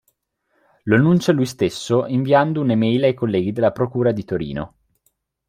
Lo annuncia lui stesso inviando una e-mail ai colleghi della Procura di Torino.